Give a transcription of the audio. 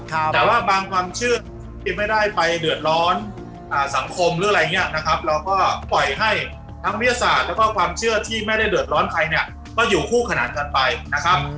แต่ว่าบางความเชื่อที่ไม่ได้ไปเดือดร้อนสังคมหรืออะไรอย่างนี้นะครับเราก็ปล่อยให้ทั้งวิทยาศาสตร์แล้วก็ความเชื่อที่ไม่ได้เดือดร้อนใครเนี่ยก็อยู่คู่ขนานกันไปนะครับ